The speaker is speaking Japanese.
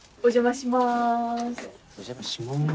お邪魔します。